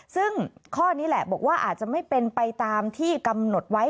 ซึ่งข้อนี้แหละบอกว่าอาจจะไม่เป็นไปตามที่กำหนดไว้